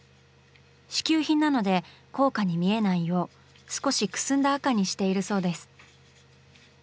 支給品なので高価に見えないよう少しくすんだ赤にしているそうです。